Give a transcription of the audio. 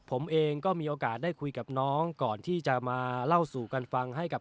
ผมเองก็มีโอกาสได้คุยกับน้องก่อนที่จะมาเล่าสู่กันฟังให้กับ